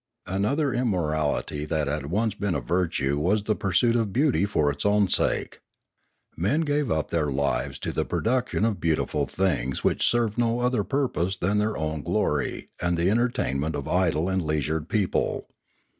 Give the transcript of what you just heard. Another immorality that had once been a virtue was 6i2 Limanora the pursuit of beauty for its own sake. Men gave up their lives to the production of beautiful things which served no other purpose than their own glory and the entertainment of idle and leisured people.